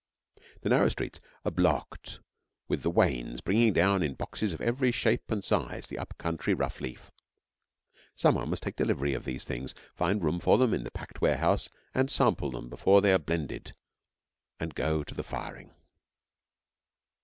The narrow streets are blocked with the wains bringing down, in boxes of every shape and size, the up country rough leaf. Some one must take delivery of these things, find room for them in the packed warehouse, and sample them before they are blended and go to the firing.